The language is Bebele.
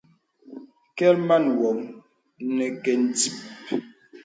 Kɛ̀l man wɔŋ nə kɛ ǹdìp.